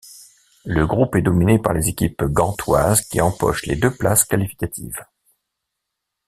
Le groupe est dominé par les équipes gantoises qui empochent les deux places qualificatives.